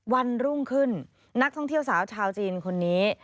วันรุ่งขึ้นนักท่องเที่ยวสาวชาวจีนคนนี้